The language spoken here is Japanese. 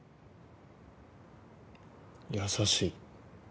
優しい。